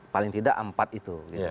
paling tidak empat itu